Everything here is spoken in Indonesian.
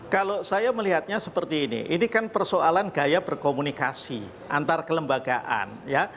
kalau saya melihatnya seperti ini ini kan persoalan gaya berkomunikasi antar kelembagaan ya